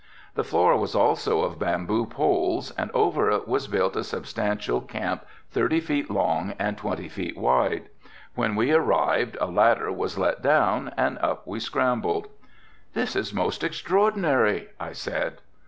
The floor was also of bamboo poles and over it was built a substantial camp thirty feet long and twenty feet wide. When we arrived a ladder was let down and up it we scrambled. "This is most extraordinary," I said.